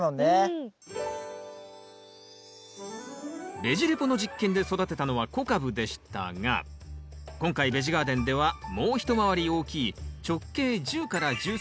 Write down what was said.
「ベジ・レポ」の実験で育てたのは小カブでしたが今回ベジガーデンではもう一回り大きい直径１０１３ｃｍの中カブを育てます。